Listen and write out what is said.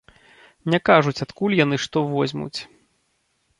Не кажуць адкуль яны што возьмуць.